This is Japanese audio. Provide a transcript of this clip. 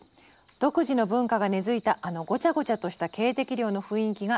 「独自の文化が根づいたあのごちゃごちゃとした恵迪寮の雰囲気がたまらなく好きです。